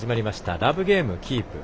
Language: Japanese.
ラブゲームキープ。